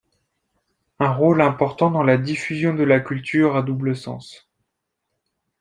Un rôle important dans la diffusion de la culture à double sens.